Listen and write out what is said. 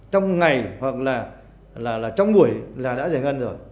trong ngày hoặc là trong buổi là đã giải ngân rồi